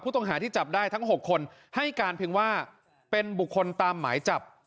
ต้องหาที่จับได้ทั้ง๖คนให้การเพียงว่าเป็นบุคคลตามหมายจับ